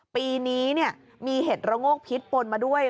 ปีนี้มีเห็ดระโงกพิษปนมาด้วย